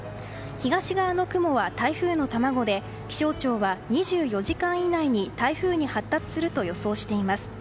東側の雲は台風の卵で気象庁は２４時間以内に台風に発達すると予想しています。